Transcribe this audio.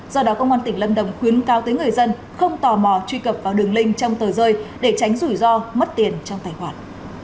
do đó công an tỉnh lâm đồng khuyến cao tới người dân không tò mò truy cập vào đường link trong tờ rơi để tránh rủi ro mất tiền trong tài khoản